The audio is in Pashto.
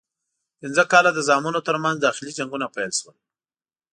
پنځه کاله د زامنو ترمنځ داخلي جنګونه پیل شول.